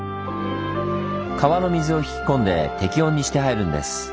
川の水を引き込んで適温にして入るんです。